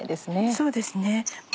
そうですね。